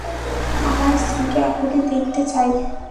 আমার স্ত্রীকে এখনই দেখতে চাই।